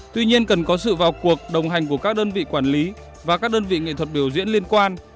tuy nhiên cần có sự vào cuộc đồng hành của các đơn vị quản lý và các đơn vị nghệ thuật biểu diễn liên quan